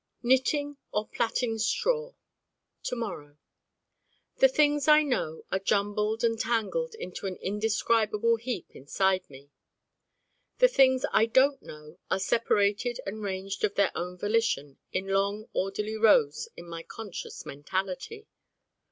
Knitting or plaiting straw To morrow The things I know are jumbled and tangled into an indescribable heap inside me. The things I Don't Know are separated and ranged of their own volition in long orderly rows in my conscious mentality.